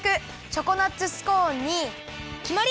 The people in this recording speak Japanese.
チョコナッツスコーンにきまり！